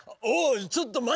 ちょっとまてまて！